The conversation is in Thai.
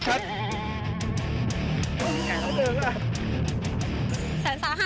แสนสาหัสค่ะ